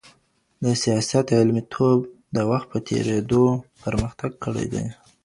د سياست علمي توب د وخت په تېرېدو پرمختګ کړی دی.